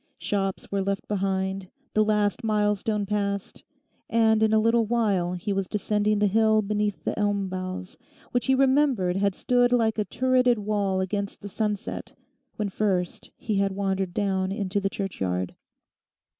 Shops were left behind, the last milestone passed, and in a little while he was descending the hill beneath the elm boughs, which he remembered had stood like a turreted wall against the sunset when first he had wandered down into the churchyard.